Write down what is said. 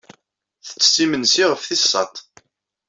Tettett imensi ɣef tis sat.